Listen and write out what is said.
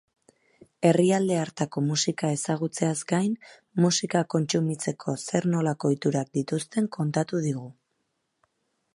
Herrialde hartako musika ezagutzeaz gain, musika kontsumitzeko zer-nolako ohiturak dituzten kontatu digu.